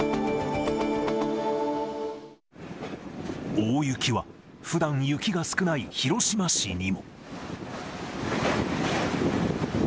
大雪は、ふだん、雪が少ない広島市にも。